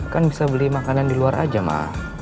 kan bisa beli makanan di luar aja mah